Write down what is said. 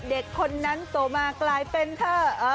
เด็กคนนั้นโตมากลายเป็นเธอ